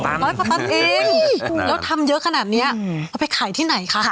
แล้วทำเยอะขนาดนี้เอาไปขายที่ไหนคะ